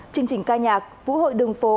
chương trình ca nhạc vũ hội đường phố